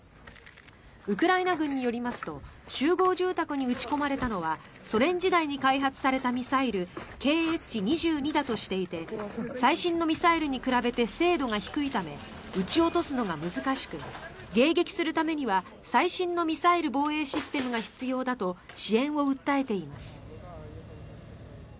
ウクライナ軍によりますと集合住宅に撃ち込まれたのはソ連時代に開発されたミサイルＫｈ２２だとしていて最新のミサイルに比べて精度が低いため撃ち落とすのが難しく迎撃するためには最新のミサイル防衛システムが必要だと支援を訴えています。